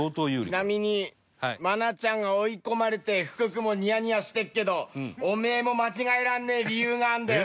ちなみに愛菜ちゃんが追い込まれて福君もニヤニヤしてるけどおめえも間違えらんねえ理由があるんだよな。